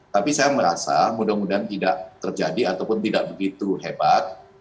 tapi saya merasa mudah mudahan tidak terjadi ataupun tidak begitu hebat